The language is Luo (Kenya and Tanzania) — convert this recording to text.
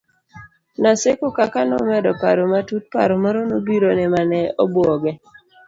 Naseko kaka nomedo paro matut, paro moro nobirone mane obwoge